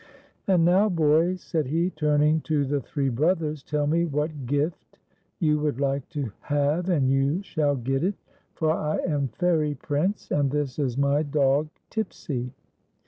"And now, boys," said he, turning to the three brothers, "tell me what gift you would like to have and you shall get it ; for I am Fairy Prince, and this is my dog, Tipsy."